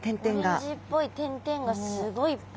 オレンジっぽい点々がすごいいっぱい。